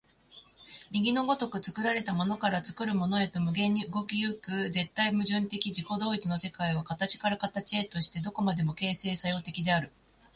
右の如く作られたものから作るものへと無限に動き行く絶対矛盾的自己同一の世界は、形から形へとして何処までも形成作用的である。